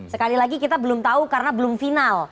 sekali lagi kita belum tahu karena belum final